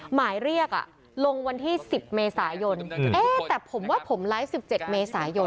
หมายเรียกลงวันที่๑๐เมษายนแต่ผมว่าผมไลฟ์๑๗เมษายน